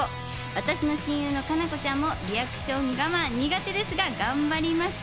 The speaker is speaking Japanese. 私の親友の夏菜子ちゃんもリアクションガマン、苦手ですが頑張りました。